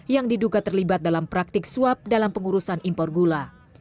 yang diduga terlibat dalam praktik suap dalam pengurusan impor gula